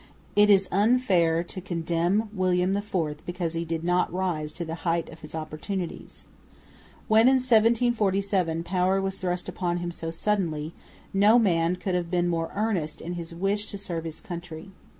It is unfair to condemn William IV because he did not rise to the height of his opportunities. When in 1747 power was thrust upon him so suddenly, no man could have been more earnest in his wish to serve his country.